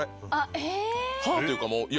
歯というか。